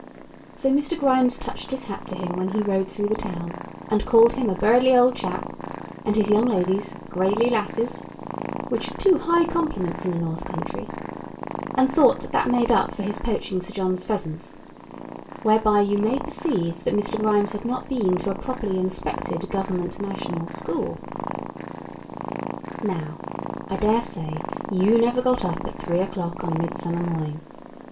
So Mr. Grimes touched his hat to him when he rode through the town, and called him a "buirdly awd chap," and his young ladies "gradely lasses," which are two high compliments in the North country; and thought that that made up for his poaching Sir John's pheasants; whereby you may perceive that Mr. Grimes had not been to a properly inspected Government National School. Now, I dare say, you never got up at three o'clock on a midsummer morning.